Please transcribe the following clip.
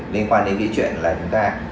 liên quan đến cái chuyện là chúng ta